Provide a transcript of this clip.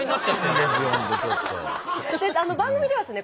番組ではですね